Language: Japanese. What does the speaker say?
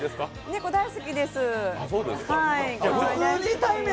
猫、大好きです。